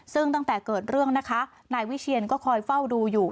ซึ่งตั้งแต่เกิดเรื่องนะคะนายวิเชียนก็คอยเฝ้าดูอยู่